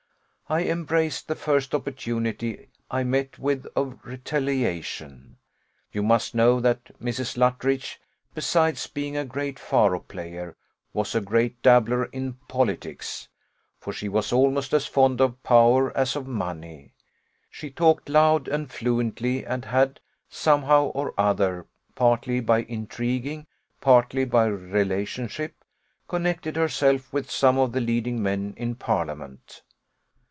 I embraced the first opportunity I met with of retaliation. You must know that Mrs. Luttridge, besides being a great faro player, was a great dabbler in politics; for she was almost as fond of power as of money: she talked loud and fluently, and had, somehow or other, partly by intriguing, partly by relationship, connected herself with some of the leading men in parliament.